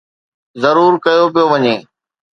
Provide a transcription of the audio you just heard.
ضرور ڪيو پيو وڃي